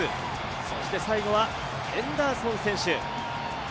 そして最後はヘンダーソン選手。